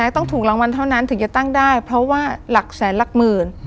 ต้องถูกรางวัลเท่านั้นถึงจะตั้งได้เพราะว่าหลักแสนหลักหมื่น